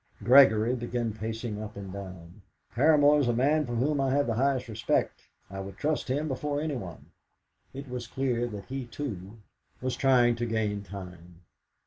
Gregory began pacing up and down. "Paramor is a man for whom I have the highest respect. I would trust him before anyone." It was clear that he, too, was trying to gain time.